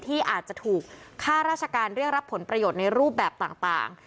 ที่อาจจะถูกค่าราชการเรียกรับผลประโยชน์ในรูปแบบต่าง